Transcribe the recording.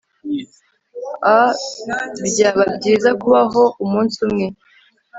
Ah Byaba byiza kubaho umunsi umwe